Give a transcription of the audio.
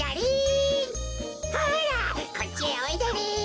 ほらこっちへおいでリン。